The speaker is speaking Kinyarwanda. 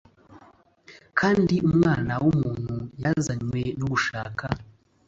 Kandi umwana w umuntu yazanywe no gushaka